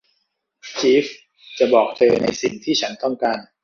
จีฟส์จะบอกเธอในสิ่งที่ฉันต้องการ